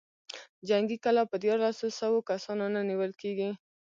جنګي کلا په ديارلسو سوو کسانو نه نېول کېږي.